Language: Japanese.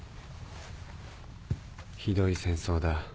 ひどい戦争だ。